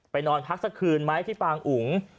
นอนพักสักคืนไหมที่ปางอุ๋ง